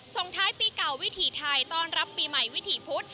ส่งท้ายปีเก่าวิถีไทยต้อนรับปีใหม่วิถีพุธ